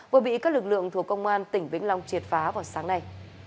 vừa bị các lực lượng thuộc công an tỉnh vĩnh long triệt phá vào sáng nay